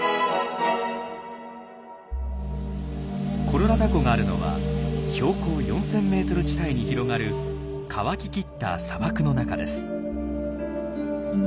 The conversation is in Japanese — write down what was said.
コロラダ湖があるのは標高４，０００ｍ地帯に広がる乾ききった砂漠の中です。